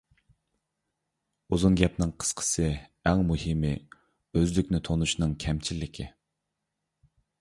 ئۇزۇن گەپنىڭ قىسقىسى، ئەڭ مۇھىمى ئۆزلۈكنى تونۇشنىڭ كەمچىللىكى.